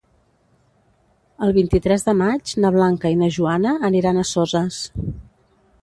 El vint-i-tres de maig na Blanca i na Joana aniran a Soses.